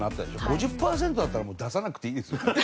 ５０パーセントだったら出さなくていいですよね。